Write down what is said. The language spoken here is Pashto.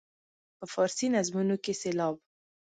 په فارسي نظمونو کې سېلاب.